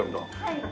はい。